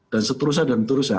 dan seterusnya dan seterusnya